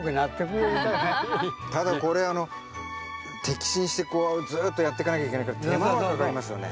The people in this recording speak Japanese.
ただこれ摘心してこうずっとやってかなきゃいけないから手間はかかりますよね。